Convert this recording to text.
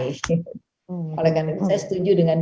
oleh karena itu saya setuju dengan